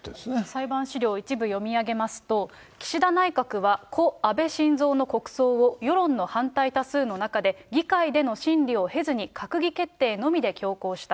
裁判資料を一部読み上げますと、岸田内閣は故・安倍晋三の国葬を世論の反対多数の中で、議会での審理を経ずに閣議決定のみで強行した。